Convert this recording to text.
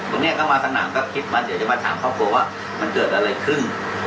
วันนี้ก็มาสนามก็คิดว่าเดี๋ยวจะมาถามครอบครัวว่ามันเกิดอะไรขึ้น